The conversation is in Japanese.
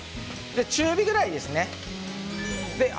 中火ぐらいですね。